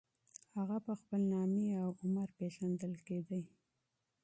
هغه په خپل نامې او عمر پېژندل کېدی.